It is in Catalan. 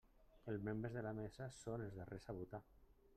Els membres de la mesa són els darrers a votar.